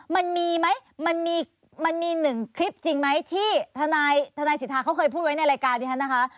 มันมีไหมมันมี๑คลิปจริงไหมที่ธนายสิทธาเค้าเคยพูดไว้ในรายการนี้นะคะ